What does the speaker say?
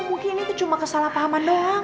mungkin ini cuma kesalahpahaman doang